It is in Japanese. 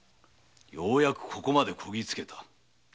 ようやくここまでこぎつけた。